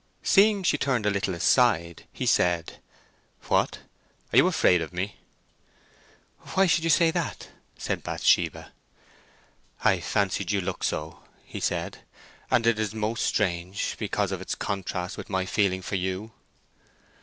Seeing she turned a little aside, he said, "What, are you afraid of me?" "Why should you say that?" said Bathsheba. "I fancied you looked so," said he. "And it is most strange, because of its contrast with my feeling for you."